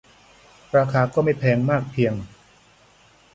ราคาก็ไม่แพงมากเพียง